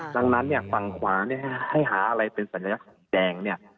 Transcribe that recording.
ดังนั้นเนี่ยฝั่งขวาเนี่ยให้หาอะไรเป็นสัญลักษณ์แดงเนี่ย